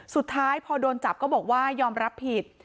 สุดท้ายพอโดนจับก็บอกว่ายอมรับผิด